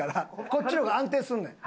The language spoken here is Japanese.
こっちの方が安定すんねん。